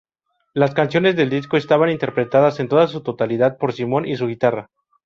Las canciones del disco estaban interpretadas en su totalidad por Simon y su guitarra.